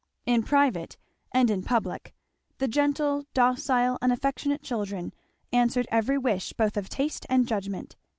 In private and in public the gentle, docile, and affectionate children answered every wish both of taste and judgment.